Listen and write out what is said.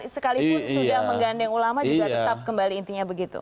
sekalipun sudah menggandeng ulama juga tetap kembali intinya begitu